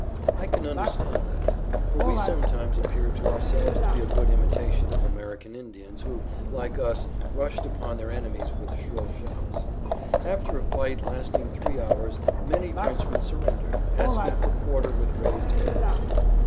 I can understand that, for we sometimes appeared to ourselves to be a good imitation of American Indians who, like us, rushed upon their enemies with shrill shouts. After a fight lasting three hours many Frenchmen surrendered, asking for quarter with raised hands.